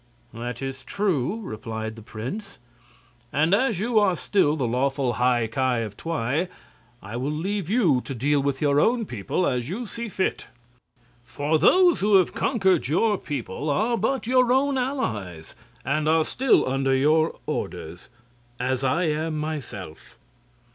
"That is true," replied the prince; "and as you are still the lawful High Ki of Twi, I will leave you to deal with your own people as you see fit. For those who have conquered your people are but your own allies, and are still under your orders, as I am myself."